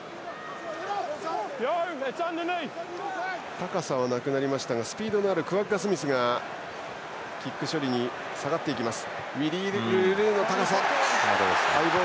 高さはなくなりましたがスピードのあるクワッガ・スミスがキック処理に下がった。